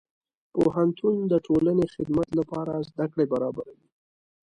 پوهنتون د ټولنې خدمت لپاره زدهکړې برابروي.